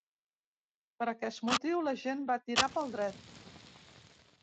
Per aquest motiu, la gent va tirar pel dret.